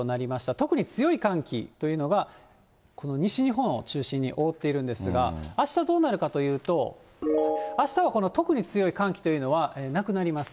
特に強い寒気というのが、この西日本を中心に覆っているんですが、あしたどうなるかというと、あしたはこの特に強い寒気というのは、なくなります。